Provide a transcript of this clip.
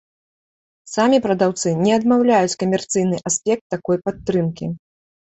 Самі прадаўцы не адмаўляюць камерцыйны аспект такой падтрымкі.